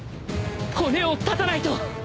骨を断たないと！